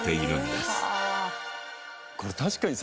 これ確かにさ